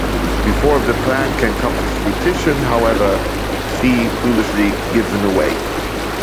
Before the plan can come to fruition, however, she foolishly gives him away.